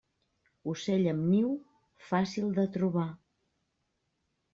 Ocell amb niu, fàcil de trobar.